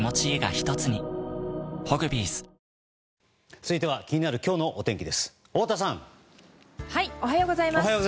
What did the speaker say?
続いては気になる今日のお天気です、太田さん。おはようございます。